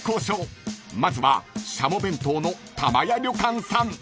［まずはしゃも弁当の玉屋旅館さん］